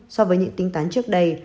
so với những tính tán trước đây